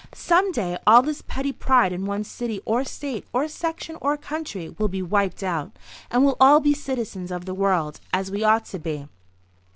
Some day all this petty pride in one's city or State or section or country will be wiped out, and we'll all be citizens of the world, as we ought to be."